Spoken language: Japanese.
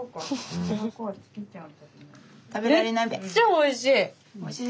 めっちゃおいしい！